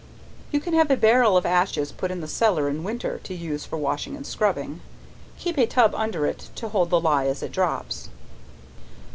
You can have a barrel of ashes put in the cellar in winter to use for washing and scrubbing, keep a tub under it to hold the ley as it drops.